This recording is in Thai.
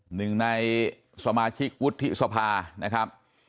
หนึ่งในสมาชิกวุฒิสภานะครับ